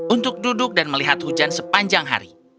untuk duduk dan melihat hujan sepanjang hari